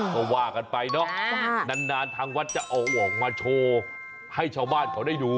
ก็ว่ากันไปเนาะนานทางวัดจะเอาออกมาโชว์ให้ชาวบ้านเขาได้ดู